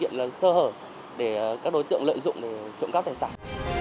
điều kiện là sơ hở để các đối tượng lợi dụng để trộm cắp tài sản